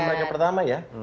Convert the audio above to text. oh puasa pertama ya